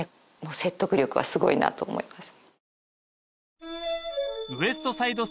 説得力はすごいなと思います